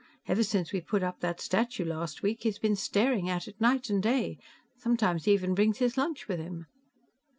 Ever since we put up that statue last week, he's been staring at it night and day. Sometimes he even brings his lunch with him."